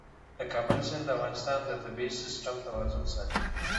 د کابل سیند د افغانستان د طبعي سیسټم توازن ساتي.